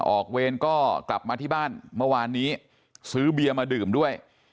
เวรก็กลับมาที่บ้านเมื่อวานนี้ซื้อเบียร์มาดื่มด้วย